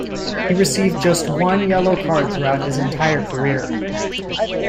He received just one yellow card throughout his entire career.